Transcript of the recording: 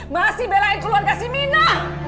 masih belain keluarga si mina